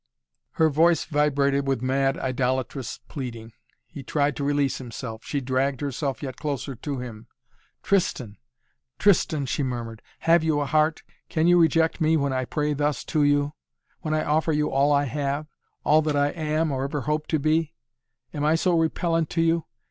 Her voice vibrated with mad idolatrous pleading. He tried to release himself. She dragged herself yet closer to him. "Tristan! Tristan!" she murmured. "Have you a heart? Can you reject me when I pray thus to you? When I offer you all I have? All that I am, or ever hope to be? Am I so repellent to you?